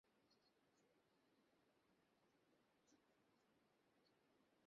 তৎপূর্বে এ-সম্বন্ধে বিশেষ কিছু জানা ছিল না।